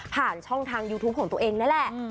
ผ่านช่องทางยูทูปของตัวเองนั่นแหละ